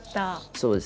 そうです。